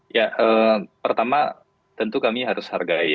ya pertama tentu kami harus hargai